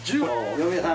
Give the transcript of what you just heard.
嫁さん。